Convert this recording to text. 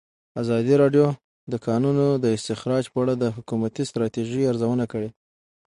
ازادي راډیو د د کانونو استخراج په اړه د حکومتي ستراتیژۍ ارزونه کړې.